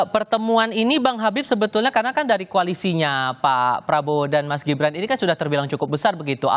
pertemuan ini bang habib sebetulnya karena kan dari koalisinya pak prabowo dan mas gibran ini kan sudah terbilang cukup besar begitu